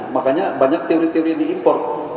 makanya banyak teori teori yang diimport